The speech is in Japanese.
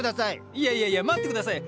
いやいやいや待ってください！